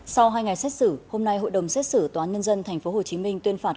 sau hai ngày xét xử hôm nay hội đồng xét xử tòa nhân dân tp hcm tuyên phạt